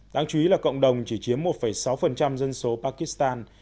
đáng chú ý là cộng đồng chỉ chiếm một sáu dân số pakistan